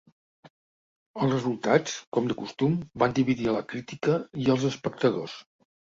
Els resultats, com de costum, van dividir a la crítica i als espectadors.